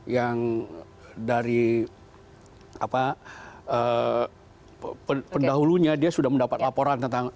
yang dari pendahulunya dia sudah mendapat laporan tentang